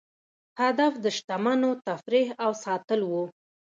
هدف د شتمنو تفریح او ساتل وو.